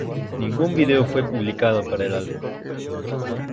Ningún vídeo fue publicado para el álbum.